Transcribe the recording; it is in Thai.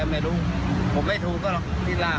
ไม่รู้ผมไม่ถูกก็หลาก